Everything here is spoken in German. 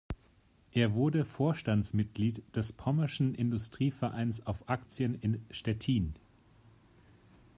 Er wurde Vorstandsmitglied des Pommerschen Industrie-Vereins auf Aktien in Stettin.